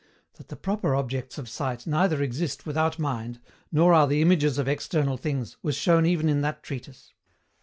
That the proper objects of sight neither exist without mind, nor are the images of external things, was shown even in that treatise.